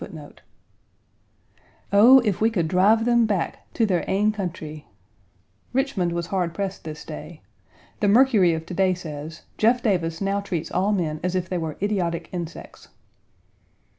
"1 Oh, if we could drive them back "to their ain countree!" Richmond was hard pressed this day. The Mercury of to day says, "Jeff Davis now treats all men as if they were idiotic insects."